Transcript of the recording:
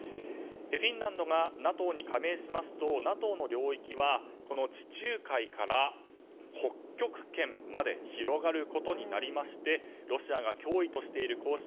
フィンランドがＮＡＴＯに加盟しますとＮＡＴＯの領域は地中海から北極圏まで広がることになりましてロシアが脅威としている